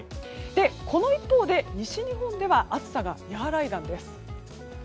この一方で、西日本では暑さが和らいだんです。